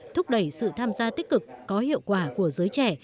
thúc đẩy sự tham gia tích cực có hiệu quả của giới trẻ